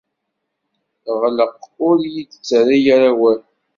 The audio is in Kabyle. ɣleq, ur yi-d-ttarra ara awal.